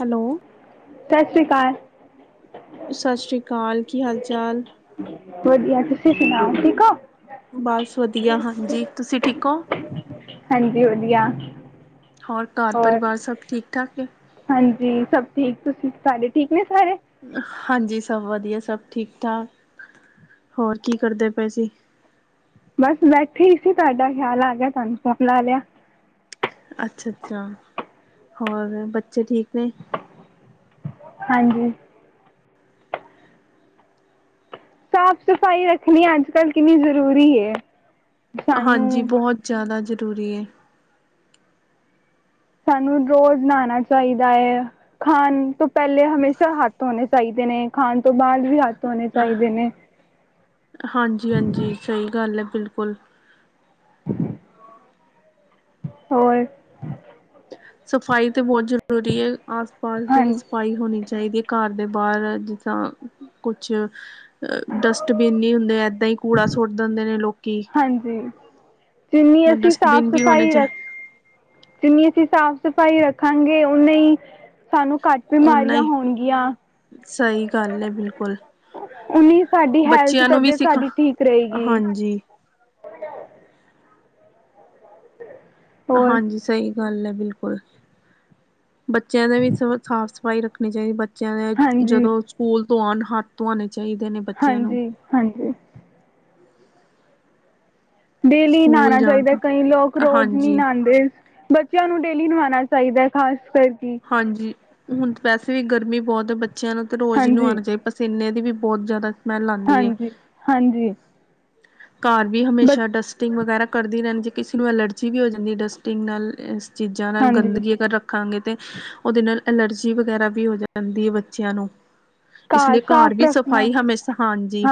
Hello, ਸਤਿ ਸ਼੍ਰੀ ਅਕਾਲ। ਸਤਿ ਸ਼੍ਰੀ ਅਕਾਲ। ਕੀ ਹਾਲ -ਚਾਲ। ਵਧੀਆ ਤੁਸੀਂ ਸੁਣਾਓ ਠੀਕ ਹੋ? ਬਸ ਵਧੀਆ। ਹਾਂਜੀ, ਤੁਸੀਂ ਠੀਕ ਹੋ? ਹਾਂਜੀ, ਵਧੀਆ। ਹੋਰ ਘਰ ਔਰ ਪਰਿਵਾਰ ਸਭ ਠੀਕ- ਠਾਕ ਹੈ। ਹਾਂਜੀ, ਸਭ ਠੀਕ ਤੁਸੀਂ ਸਡੇ ਠੀਕ ਨੇ ਸਾਰੇ। ਹਾਂਜੀ। ਸਭ ਵਧੀਆ ਸਭ ਠੀਕ -ਠਾਕ ਹੋਰ ਕੀ ਕਰਦੇ ਪਏ ਸੀ। ਬਸ ਬੈਠੇ ਹੀ ਸੀ ਤੁਹਾਡਾ ਖਿਆਲ ਆ ਗਿਆ ਤੁਹਾਨੂੰ ਫੋਨ ਲਾ ਲਿਆ। ਅੱਛਾ- ਅੱਛਾ ਹੋਰ ਬੱਚੇ ਠੀਕ ਨੇ। ਹਾਂਜੀ। ਸਾਫ਼ ਸਫ਼ਾਈ ਰੱਖਣੀ ਅੱਜ ਕੱਲ ਕਿੰਨੀ ਜ਼ਰੂਰੀ। ਸਾਨੂੰ ਹਾਂਜੀ। ਬਹੁਤ ਜ਼ਿਆਦਾ ਜ਼ਰੂਰੀ ਹੈ। ਸਾਨੂੰ ਰੋਜ਼ ਨਹਾਣਾ ਚਾਹੀਦਾ ਹੈ ਖਾਣ ਤੋਂ ਪਹਿਲੇ ਹਮੇਸ਼ਾ ਹੱਥ ਹੋਣੇ ਚਾਹੀਦੇ ਨੇ ਖਾਣ ਤੋਂ ਬਾਅਦ ਵੀ ਹੱਥ ਧੋਣੇ ਚਾਹੀਦੇ ਨੇ। ਹਾਂਜੀ -ਹਾਂਜੀ ਸਹੀ ਗੱਲ ਹੈ ਬਿਲਕੁਲ। ਹੋਰ। ਸਫ਼ਾਈ ਤੇ ਬਹੁਤ ਜ਼ਰੂਰੀ ਹੈ ਆਸ ਪਾਸ ਹਾਂ ਦੀ ਵਿੱਚ ਸਫਾਈ ਹੋਣੀ ਚਾਹੀਦੀ ਹੈ ਘਰ ਦੇ ਬਾਹਰ। ਜਿਸ ਤਾਂ ਕੁਛ ਡਸਟਬਿਨ ਨਹੀਂ ਹੁੰਦੇ ਏਦਾਂ ਹੀ ਕੂੜਾ ਸੁੱਟ ਦਿੰਦੇ ਨੇ ਲੋਕੀ। ਹਾਂਜੀ, ਜਿੰਨੀ ਅਸੀਂ ਸਾਫ਼ ਡਸਟਬਿਨ ਵੀ ਹੋਣੇ ਸਫ਼ਾਈ ਚ ਰੱਖ ਜਿੰਨੀ ਅਸੀਂ ਸਾਫ਼ ਸਫ਼ਾਈ ਰੱਖਾਂਗੇ ਉਓਨੀੇ ਹੀ ਸਾਨੂੰ ਘੱਟ ਓਨਾ ਬਿਮਾਰੀਆਂ ਹੀ ਹੋਣਗੀਆਂ। ਸਹੀ ਗੱਲ ਹੈ ਬਿਲਕੁਲ ਉਨੀ ਸਾਡੀ ਹੈਲਥ ਬੱਚਿਆਂ ਨੂੰ ਵੀ ਤਬੀਅਤ ਸਿਖਾ ਸਾਡੀ ਠੀਕ ਰਹੇਗੀ। ਹਾਂਜੀ [unintelligible] ਹੋਰ ਹਾਂਜੀ। ਸਹੀ ਗੱਲ ਹੈ ਬਿਲਕੁਲ। ਬੱਚਿਆਂ ਦਾ ਵੀ ਸ ਸਾਫ਼- ਸਫ਼ਾਈ ਰੱਖਣੀ ਚਾਹੀਦੀ। ਬੱਚਿਆਂ ਦੇ ਹਾਂਜੀ ਜਦੋਂ ਸਕੂਲ ਤੋਂ ਆਉਣ ਹੱਥ ਧੋ ਆਉਣੇ ਚਾਹੀਦੇ ਨੇ। ਬੱਚਿਆਂ ਨੂੰ ਹਾਂਜੀ ਹਾਂਜੀ। ਡੇਲੀ ਸਕੂਲ ਨਹਾਉਣਾ ਜਾਣ ਚਾਹੀਦਾ। ਤਾਂ ਕਈ ਲੋਕ ਰੋਜ਼ ਨਹੀਂ ਹਾਂਜੀ ਨਹਾਉਂਦੇ। ਬੱਚਿਆਂ ਨੂੰ ਡੇਲੀ ਨਵਾਉਣਾ ਚਾਹੀਦਾ ਹੈ ਖਾਸ ਕਰਕੇ। ਹਾਂਜੀ, ਹੁਣ ਵੈਸੇ ਵੀ ਗਰਮੀ ਬਹੁਤ ਹੈ ਬੱਚਿਆਂ ਨੂੰ ਤੇ ਰੋਜ਼ ਹੀ ਨੂੰ ਹਾਂਜੀ ਆਉਣਾ ਚਾਹੀਦਾ। ਸੀਨੇ ਦੀ ਵੀ ਬਹੁਤ ਜ਼ਿਆਦਾ ਸਮੈਲ ਆਉਂਦੀ ਹੈ ਹਾਂਜੀ। ਹਾਂਜੀ। ਘਰ ਵੀ ਬ ਹਮੇਸ਼ਾ ਡਸਟ ਡਸਟਿੰਗ ਵਗੈਰਾ ਕਰਦੀ ਰਹਿੰਦੀ ਜੇ ਕਿਸੇ ਨੂੰ ਐਲਰਜੀ ਵੀ ਹੋ ਜਾਂਦੀ ਡਸਟਿੰਗ ਨਾਲ ਇਸ ਚੀਜ਼ਾਂ ਨਾਲ ਹਾਂਜੀ ਗੰਦਗੀ ਅਗਰ ਰੱਖ। ਰੱਖਾਂਗੇ। ਤੇ ਉਹਦੇ ਨਾਲ ਅਲਰਜੀ ਵਗੈਰਾ ਵੀ ਹੋ ਜਾਂਦੀ ਹੈ ਬੱਚਿਆਂ ਨੂੰ। ਇਸ ਲਈ ਘਰ ਸਾਫ਼ ਵੀ ਰੱਖਣਾ ਸਫ਼ਾਈ ਹਮੇਸ਼ਾ ਹਾਂਜੀ,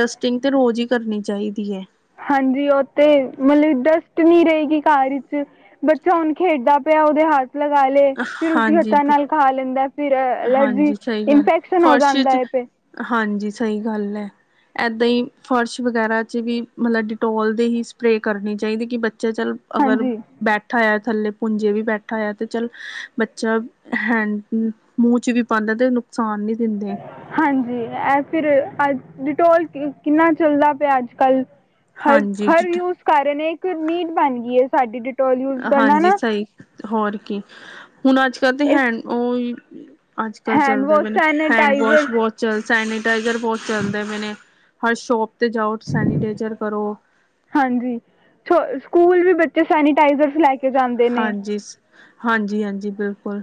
ਡਸਟ ਸਟਿੰਗ ਤੇ ਰੋਜ਼ ਹੀ ਕਰਨੀ ਚਾਹੀਦੀ ਹੈ। ਹਾਂਜੀ, ਉਹਥ ਮਤਲਬ ਡਸਟ ਨੀ ਰਹੇਗੀ ਘਰ ਵਿੱਚ। ਬੱਚਾ ਹੁਣ ਖੇਡਦਾ ਪਿਆ ਉਹਦੇ ਹੱਥ ਲਗਾ ਲਏ ਫਿਰ ਉਸਂ ਹਾਂਜੀ ਹੱਥਾਂ ਬਿਲ ਨਾਲ ਖਾ ਲੈਂਦਾ। ਫਿਰ ਹਾਂਜੀ ਅਲਰਜੀ, ਸਹੀ ਗੱਲ ਇਨਫੈਕਸ਼ਨ ਹੋ ਫਰਸ਼ ਜਾਂਦਾ ਚ ਹੈ। ਫੇ ਹਾਂਜੀ, ਸਹੀ ਗੱਲ ਹੈ। ਇੱਦਾਂ ਹੀ, ਫਰਸ਼ ਵਗੈਰਾ 'ਚ ਵੀ ਮਤਲਬ ਡਿਟੋਲ ਦੇ ਹੀ ਸਪਰੇਅ ਕਰਨੀ ਚਾਹੀਦੀ। ਕਿ ਬੱਚਾ ਚੱਲ, ਅਗਰ, ਹਾਂਜੀ ਬੈਠ ਥੱਲੇ ਪੂੰਜੇ ਵੀ ਬੈਠਾ ਆ। ਤੇ ਚੱਲ ਬੱਚਾ ਹੈਂ। ਮੂੰਹ ਚ ਵੀ ਪਾਉਂਦਾ, ਤੇ ਨੁਕਸਾਨ ਨਹੀਂੀ ਦਿੰਦੇ। ਹਾਂਜੀ, ਇਹ ਫਿਰ ਅੱ ਡਿਟੋਲ ਕਿੰਨਾ ਚੱਲਦਾ ਪਿਆ, ਅੱਜ ਕੱਲ੍ਹ ਹਰ ਹਾਂਜੀ ਹਰ ਡਿਟ ਯਊਜ਼ ਕਾਰਨ ਇਹ, ਇੱਕ ਨੀਡ ਬਣ ਗਈ ਹੈ। ਸਾਡੀ, ਡਿਟੋਲ ਯੂਜ ਕਰਨਾ ਹਾਂਜੀ, ਨਾ ਸਹੀ ਹੋਰ ਕੀ ਹੁਣ, ਅੱਜ ਕੱਲ੍ਹ, ਤੇ ਇਸ ਹੈ। ਉਹ, ਅੱਜ ਕੱਲ੍ਹ, ਹੈਂਡ ਚਲਦੇ ਵਾਸ਼ ਪ ਹੈਂਡ ਸੈਨੇਟਾਈਜ਼ਰ ਵਾਸ਼ ਵੋਸ਼ ਚਲ ਸੈਨੀਟਾਈਜ਼ਰ ਬਹੁਤ ਚੱਲਦਾ ਪੈਨੇ। ਹਰ ਸ਼ੋਪ 'ਤੇ ਜਾਓ ਸੈਨੀਟਾਈਜ਼ਰ ਕਰੋ। ਹਾਂਜੀ। ਸਕੂਲ ਵੀ ਬੱਚੇ ਸੈਨੀਟਾਈਜ਼ਰ ਲੈ ਕੇ ਜਾਂਦੇ ਨੇ ਹਾਂਜੀ। ਹਾਂਜੀ -ਹਾਂਜੀ ਬਿਲਕੁਲ।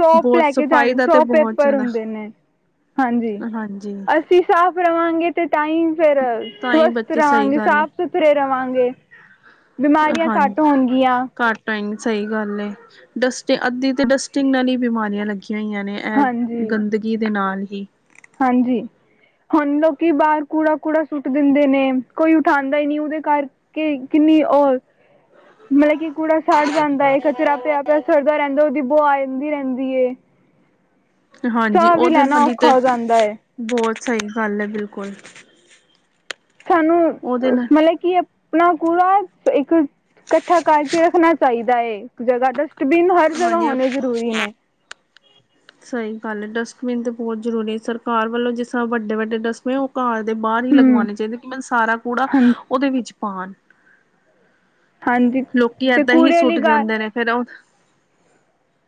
ਸੌ ਬਹੁਤ ਲੈ ਕੇ ਜਾਂ ਸਫ਼ਾਈ ਦਾ ਸੌ ਤੇ ਬਹੁਤ ਪੇਪਰ ਜ਼ਿਆਦਾ ਹੁੰਦੇ ਨੇ। ਹਾਂਜੀ। ਹਾਂਜੀ ਅਸੀਂ ਸਾਫ਼ ਰਵਾਂਗੇ ਤੇ ਟਾਈਮ ਫਿਰ ਤਾਂ ਹੀ ਸਵਸਥ ਬੱਚੇ ਸਹੀ ਰਹਾਂਗੇ ਗੱਲ ਹੈ ਸਾਫ- ਸੁਥਰੇ ਰਵਾਂਗੇ। ਬਿਮਾਰੀਆਂ ਹਾਂਜੀ। ਘੱਟ ਹੋਣਗੀਆਂ ਘਰ ਡਇੰਗ ਸਹੀ ਗੱਲ ਐ। ਡਸਟ ਅੱਧੀ ਤੇ ਡਸਟਿੰਗ ਨਾਲ ਹੀ ਬਿਮਾਰੀਆਂ ਲੱਗੀਆਂ ਹੋਈਆਂ ਨੇ। ਐ ਹਾਂਜੀ ਗੰਦਗੀ ਦੇ ਨਾਲ ਹੀ ਹਾਂਜੀ। ਹੁਣ ਲੋਕੀ ਬਾਹਰ ਕੂੜਾ- ਕੂੜਾ ਸੁੱਟ ਦਿੰਦੇ ਨੇ। ਕੋਈ ਉਠਾਉਂਦਾ ਹੀ ਨਹੀਂ। ਉਹਦੇ ਘਰ ਕਿ ਕਿੰਨੀ ਹੋਰ ਮਤਲਬ, ਕਿ ਕੂੜਾ ਸੜ ਜਾਂਦਾ ਏ ਕਚਰਾ ਪਿਆ ਪਿਆ, ਸੁੜਦਾ ਰਹਿੰਦਾ। ਉਹਦੀ ਬੁਆ ਆਦੀ ਰਹਿੰਦੀ ਏ। ਹਾਂਜੀ, ਉਹਦੇ ਲੈਣਾ ਨਾਲੀ ਤੇ ਔਖਾ ਹੋ ਜਾਂਦਾ ਹੈ ਬਹੁਤ ਸਹੀ ਗੱਲ ਹੈ। ਬਿਲਕੁਲ ਸਾਨੂੰ, ਉਹਦੇ ਨਾਲ ਮਤਲਬ ਕਿ ਆਪਣਾ ਪੂਰਾ, ਇੱਕ ਇਕੱਠਾ ਕਰਕੇ ਰੱਖਣਾ। ਚਾਹੀਦਾ ਹੈ, ਜਗ੍ਹਾ ਡਸਟਬਿਨ ਹਰ ਜਗ੍ਹਾ ਹਾਂਜੀ ਹੋਣੇ, ਜ਼ਰੂਰੀ ਨੇ [inaudible] ਸਹੀ ਗੱਲ ਹੈ। ਡਸਟਬਿਨ ਤਾਂ ਬਹੁਤ ਜ਼ਰੂਰੀ ਸਰਕਾਰ ਵੱਲੋਂ, ਜਿਸ ਤਰ੍ਹਾਂ ਵੱਡੇ ਵੱਡੇ ਡਸਟਬਿਨ। ਘਰ ਦੇ ਬਾਹਰ ਹੀ ਹੂੰ ਲਗਵਾਉਣੇ ਚਾਹੀਦੇ, ਕਿ ਮੈਨੂੰ ਸਾਰਾ ਕੂੜਾ, ਹਾਂਜੀ ਉਹਦੇ ਵਿੱਚ ਪਾਉਣ। ਹਾਂਜੀ ਲੋਕੀ ਤੇ ਏਦਾਂ ਹੀ ਕੂੜੇ ਵਾਲੀ ਸੁੱਟ ਗਾ ਜਾਂਦੇ ਨੇ, ਫਿਰ ਉਹ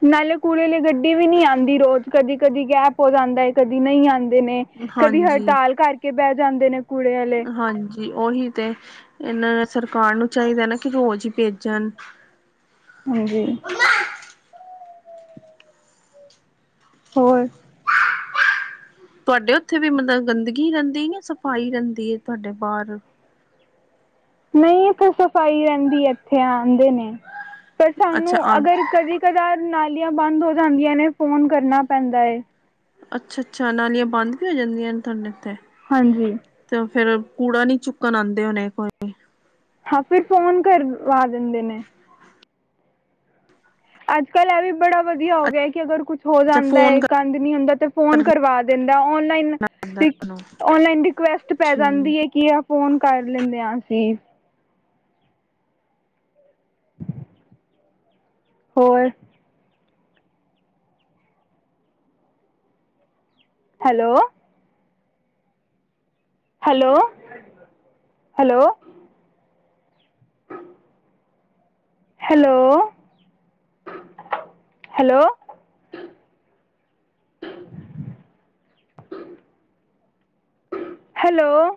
ਨਾਲੇ ਕੂੜੇ ਲਈ ਗੱਡੀ ਵੀ ਨਹੀਂ ਆਂਦੀ ਰੋਜ਼, ਕਦੀ- ਕਦੀ ਗੈਪ ਹੋ ਜਾਂਦਾ, ਕਦੀ ਨਹੀਂ ਆਂਦੇ ਨੇ। ਕਦੀ ਹਾਂਜੀ ਹੜਤਾਲ ਕਰਕੇ ਬਹਿ ਜਾਂਦੇ ਨੇ ਕੂੜੇ ਆਲੇ। ਹਾਂਜੀ, ਉਹੀ ਤੇ ਇਹਨਾਂ ਨੇ ਸਰਕਾਰ ਨੂੰ ਚਾਹੀਦਾ ਨਾ, ਕਿ ਰੋਜ਼ ਹੀ ਭੇਜਣ। ਹਾਂਜੀ, ਹੋਰ ਤੁਹਾਡੇ ਉੱਥੇ ਵੀ ਮਤਲਬ ਗੰਦਗੀ ਰਹਿੰਦੀ, ਜਾਂ ਸਫ਼ਾਈ ਰਹਿੰਦੀ ਐ ਤੁਹਾਡੇ ਬਾਹਰ। ਨਹੀਂ ਇਥੇ ਸਫ਼ਾਈ ਰਹਿੰਦੀ, ਇੱਥੇ ਆਂਦੇ ਨੇ, ਪਰ ਸਾਨੂੰ ਅੱਛਾ ਆ ਅਗਰ ਕਦੀ ਕਦਾਰ ਨਾਲੀਆਂ ਬੰਦ ਹੋ ਜਾਂਦੀਆਂ ਨੇ, ਫੋਨ ਕਰਨਾ ਪੈਂਦਾ ਏ। ਅੱਛਾ-ਅੱਛਾ, ਨਾਲੀਆਂ ਬੰਦ ਵੀ ਹੋ ਜਾਂਦੀਆਂ ਨੇ, ਤੁਹਾਡੇ ਇੱਥੇ। ਹਾਂਜੀ, ਤੇ ਉਹ ਫੇਰ ਕੂੜਾ ਨੀ ਚੁੱਕਣ ਆਂਦੇ ਹੋਣੇ ਕੋਈ। ਹਾਂ, ਫਿਰ ਫੋਨ ਕਰਵਾ ਦਿੰਦੇ ਨੇ। ਅੱਜ- ਕੱਲ੍ਹ ਐਂ ਵੀ ਬੜਾ ਵਧੀਆ ਹੋ ਗਿਆ, ਕਿ ਅਗਰ ਕੁਛ ਹੋ ਅੱਛਾ ਜਾਂਦਾ ਹੈ, ਫੋਨ ਗੰਦ ਨੀ ਹੁੰਦਾ, ਤੇ ਫੋਨ ਕਰਨਾ ਕਰਵਾ ਦਿੰਦਾ, ਔਨਲਾਈਨ ਪੈਂਦਾ ਇੱਕ ਤੁਹਾਨੂੰ ਓਨਲਾਈਨ ਰਿਕੁਐਸਟ ਪੈ ਠੀਕ ਜਾਂਦੀ ਐ, ਕਿ ਆ ਫੋਨ ਕਰ ਲੈਂਦੇ ਆਂ ਅਸੀਂ। ਹੋਰ hello, hello, hello hello, hello hello,